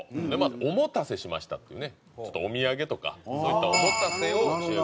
で『おもたせしました。』っていうねちょっとお土産とかそういったおもたせを主役にした。